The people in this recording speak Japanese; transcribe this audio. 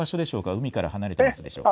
海から離れていますでしょうか。